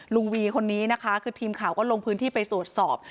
วีคนนี้นะคะคือทีมข่าวก็ลงพื้นที่ไปตรวจสอบ